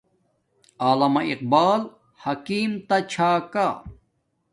علامہ اقبال حکیم تا چھا کا